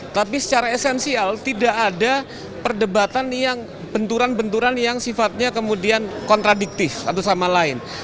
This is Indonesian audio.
tapi secara esensial tidak ada perdebatan yang benturan benturan yang sifatnya kemudian kontradiktif satu sama lain